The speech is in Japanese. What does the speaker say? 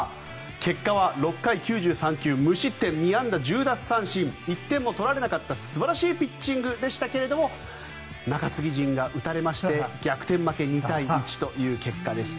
結果は６回９３球無失点２安打１０奪三振１点も取られなかった素晴らしいピッチングでしたが中継ぎ陣が打たれまして逆転負け２対１という結果でした。